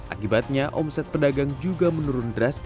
akibatnya kondisi yang sama juga terjadi pada harga sayur